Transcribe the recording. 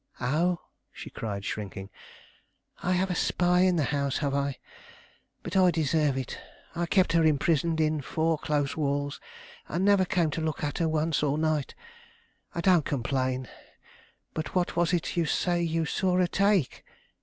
"Oh," she cried, shrinking, "I have a spy in the house, have I? But I deserve it; I kept her imprisoned in four close walls, and never came to look at her once all night. I don't complain; but what was it you say you saw her take?